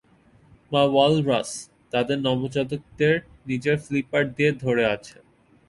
মা ওয়ালরাস, তাদের নবজাতকদের নিজের ফ্লিপার দিয়ে ধরে আছে।